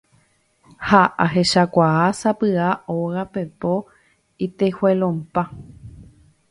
ha ahechakuaa sapy'a óga pepo itejuelon-pa